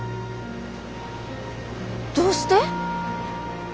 どうして？